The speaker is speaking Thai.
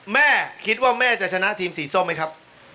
แม่คิดว่าแม่จะชนะทีมสีส้มไหมครับ